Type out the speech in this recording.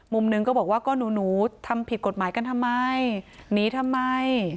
มุมหนึ่งก็บอกว่าก็หนูทำผิดกฎหมายกันทำไมหนีทำไม